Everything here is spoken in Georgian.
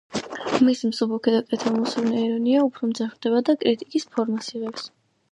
მისი მსუბუქი და კეთილმოსურნე ირონია უფრო მძაფრდება და კრიტიკის ფორმას იღებს.